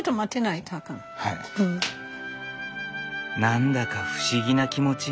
何だか不思議な気持ち。